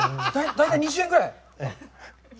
大体２０円ぐらい？